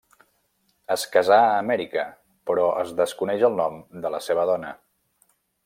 Es casà a Amèrica, però es desconeix el nom de la seva dona.